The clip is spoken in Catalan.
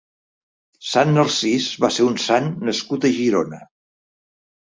Sant Narcís va ser un sant nascut a Girona.